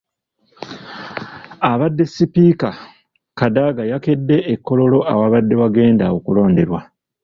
Abadde Sipiika, Kadaga yakedde e Kololo ewabadde wagenda okulonderwa.